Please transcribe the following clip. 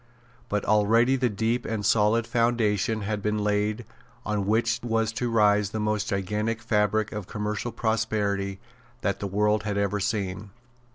But already the deep and solid foundation had been laid on which was to rise the most gigantic fabric of commercial prosperity that the world had ever seen.